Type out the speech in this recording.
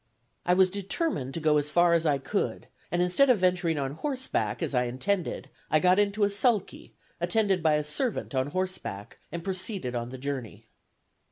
I was determined to go as far as I could, and instead of venturing on horseback, as I had intended, I got into a sulky, attended by a servant on horseback, and proceeded on the journey."